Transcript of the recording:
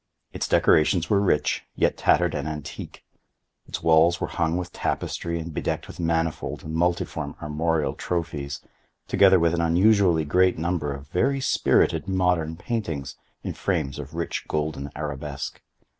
Its decorations were rich, yet tattered and antique. Its walls were hung with tapestry and bedecked with manifold and multiform armorial trophies, together with an unusually great number of very spirited modern paintings in frames of rich golden arabesque.